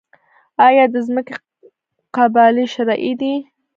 آیا د ځمکې قبالې شرعي دي؟